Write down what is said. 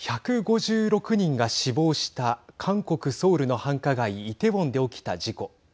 １５６人が死亡した韓国ソウルの繁華街イテウォンで起きた事故。